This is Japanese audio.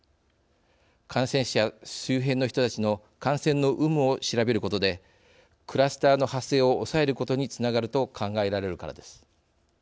感染者周辺の人たちの感染の有無を調べることでクラスターの発生を抑えることにつながると考えられるからです。